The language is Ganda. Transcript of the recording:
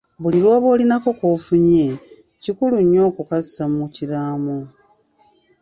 Buli lw'oba olinako k'onfunye kikulu nnyo okukassa mu kiraamo.